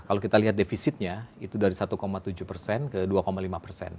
kalau kita lihat defisitnya itu dari satu tujuh persen ke dua lima persen